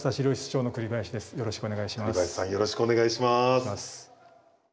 栗林さんよろしくお願いします。